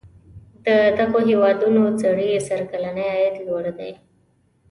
د دغو هیوادونو سړي سر کلنی عاید لوړ دی.